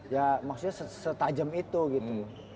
ya maksudnya setajem itu gitu